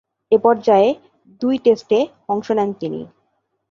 এ পর্যায়ে দুই টেস্টে অংশ নেন তিনি।